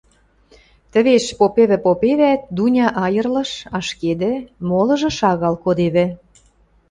Тӹвеш, попевӹ-попевӓт, Дуня айырлыш, ашкедӹ, молыжы шагал кодевӹ.